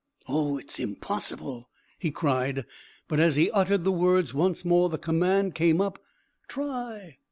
"Oh, it's impossible!" he cried; but as he uttered the words once more the command came up "Try!"